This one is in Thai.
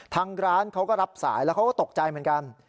ทางร้านเขาก็รับสายแล้วเขาก็ตกใจเหมือนกัน